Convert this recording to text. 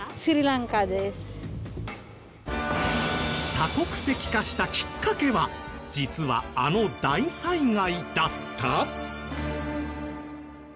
多国籍化したきっかけは実はあの大災害だった？